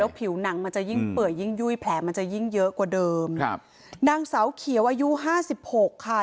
ผิวหนังมันจะยิ่งเปื่อยยิ่งยุ่ยแผลมันจะยิ่งเยอะกว่าเดิมครับนางเสาเขียวอายุห้าสิบหกค่ะ